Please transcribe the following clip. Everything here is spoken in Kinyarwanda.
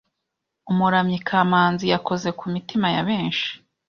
Umuramyi Kamanzi yakoze ku mitima ya benshi